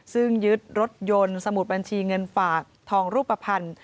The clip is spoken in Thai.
ซึ่งยึดรถยนต์สมุดบัญชีเงินฝากทองรูปภัณฑ์